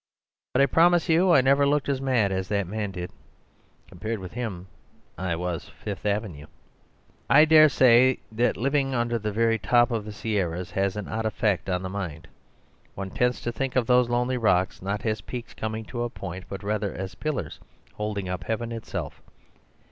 But I promise you I never looked as mad as that man did. Compared with him I was Fifth Avenue. "I dare say that living under the very top of the Sierras has an odd effect on the mind; one tends to think of those lonely rocks not as peaks coming to a point, but rather as pillars holding up heaven itself.